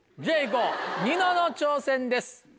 こうニノの挑戦です。